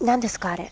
あれ。